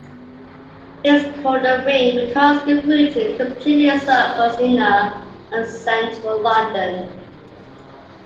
It is called a "ring" because the route completely encircles inner and central London.